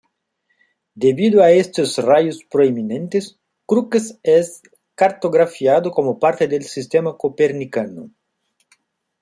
Debido a estos rayos prominentes, Crookes es cartografiado como parte del Sistema Copernicano.